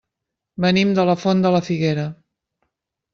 Venim de la Font de la Figuera.